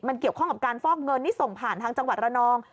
มันเกี่ยวข้องกับการฟอกเงินนี่ส่งผ่านทางจังหวัดระนอง